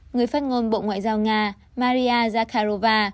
người phát ngôn bộ ngoại giao nga maria zakharova